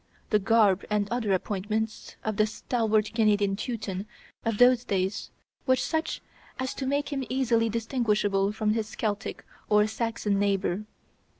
The garb and other appointments of the stalwart Canadian Teuton of those days were such as to make him easily distinguishable from his Celtic or Saxon neighbor.